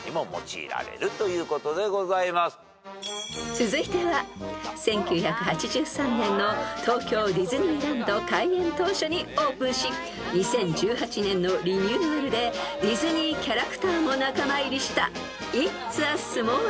［続いては１９８３年の東京ディズニーランド開園当初にオープンし２０１８年のリニューアルでディズニーキャラクターも仲間入りした］